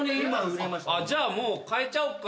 じゃあもう替えちゃおうか？